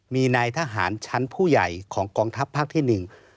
มีนายทหารชั้นผู้ใหญ่ของกองทัพภาคที่หนึ่ง